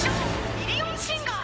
ミリオンシンガー